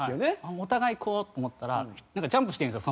お互いこうと思ったらなんかジャンプしてるんですよ